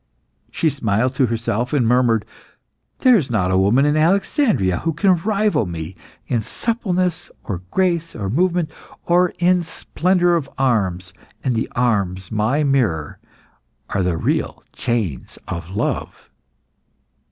She smiled to herself, and murmured, "There is not a woman in Alexandria who can rival me in suppleness or grace or movement, or in splendour of arms, and the arms, my mirror, are the real chains of love!"